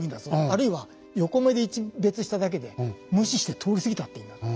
あるいは横目でいちべつしただけで無視して通り過ぎたっていいんだと。